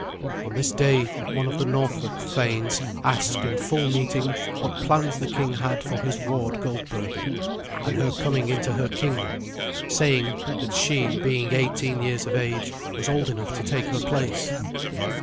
On this day one of the Norfolk thanes asked in full meeting what plans the king had for his ward Goldberga, and her coming into her kingdom, saying that she, being eighteen years of age, was old enough to take her place.